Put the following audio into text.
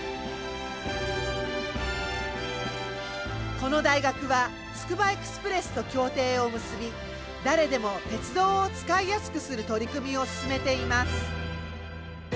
この大学はつくばエクスプレスと協定を結び誰でも鉄道を使いやすくする取り組みを進めています。